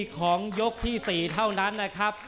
ของยกที่๔เท่านั้นนะครับ